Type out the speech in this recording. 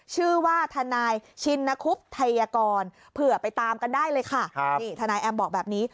ชื่อว่าทนายชินคุบไทยกรเผื่อไปตามกันได้เลยค่ะนี่ทนายแอมบอกแบบนี้